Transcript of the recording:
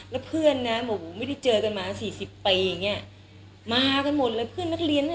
และเพื่อนบอกว่าไม่ได้เจอกันมา๔๐ปีมาฮากันหมดเลย